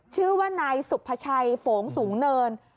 ชื่อว่านายสุภาชัยโฝงสูงเนิน